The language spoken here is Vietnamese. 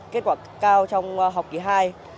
kết quả cao trong học kỳ hai